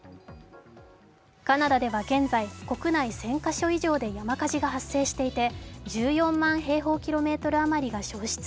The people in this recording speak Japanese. カナダでは現在国内１０００か所以上で山火災が発生していて１４万平方キロメートルあまりが焼失。